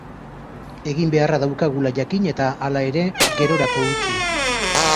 Egin beharra daukagula jakin, eta, hala ere, gerorako utzi.